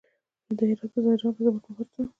د هرات په زنده جان کې د سمنټو مواد شته.